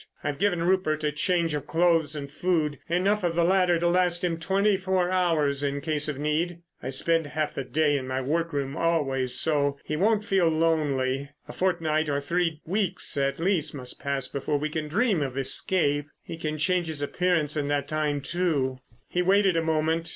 I've given Rupert a change of clothes and food—enough of the latter to last him twenty four hours in case of need. I spend half the day in my workroom always, so—he won't feel lonely. A fortnight or three weeks at least must pass before we can dream of escape. He can change his appearance in that time, too." He waited a moment.